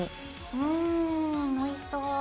うんおいしそう。